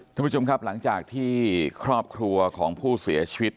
ท่านผู้ชมครับหลังจากที่ครอบครัวของผู้เสียชีวิต